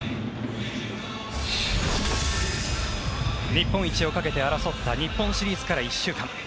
日本一をかけて争った日本シリーズから１週間。